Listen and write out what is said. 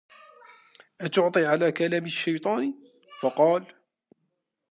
أَتُعْطِي عَلَى كَلَامِ الشَّيْطَانِ ؟ فَقَالَ